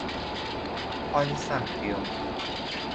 反送中